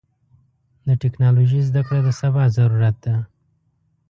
د ټکنالوژۍ زدهکړه د سبا ضرورت ده.